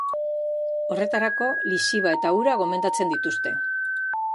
Horretarako, lixiba eta ura gomendatu dituzte.